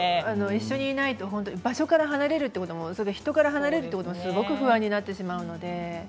一緒にいないと場所から離れるとか人から離れるとすごく不安になってしまうので。